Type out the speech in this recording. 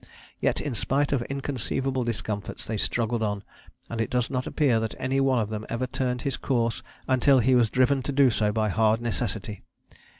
Yet in spite of inconceivable discomforts they struggled on, and it does not appear that any one of them ever turned his course until he was driven to do so by hard necessity.